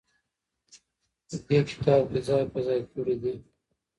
په دې کتاب کې يې ځاى په ځاى کړي دي.